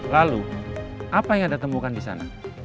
lalu apa yang anda temukan di sana